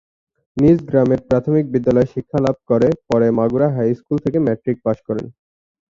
নিজ গ্রামের প্রাথমিক বিদ্যালয়ে শিক্ষা লাভ করে পরে মাগুরা হাই স্কুল থেকে ম্যাট্রিক পাস করেন।